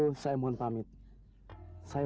memusir dan diletakkan ke rumah ini